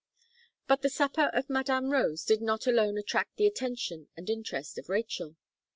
But the supper of Madame Rose did not alone attract the attention and interest of Rachel.